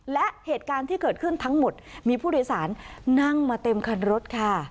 และเหตุการณ์ที่เกิดขึ้นทั้งหมดมีผู้โดยสารนั่งมาเต็มคันรถค่ะ